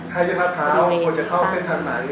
ถ้าจะมะพร้าวควรจะเข้าเส้นทางไหน